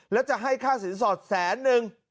แล้วจะให้ค่าสินสอดแสนนึง